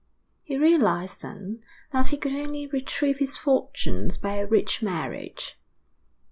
He realised then that he could only retrieve his fortunes by a rich marriage.